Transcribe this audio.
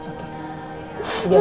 saya tetap berhubung